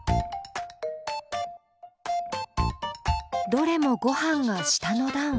どれもごはんが下の段。